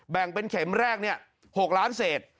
แบ่งเป็นเข็มแรก๖ล้านเศษ